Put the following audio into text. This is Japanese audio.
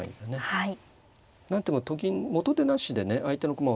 はい。